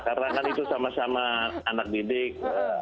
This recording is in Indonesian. karena kan itu sama sama anak didik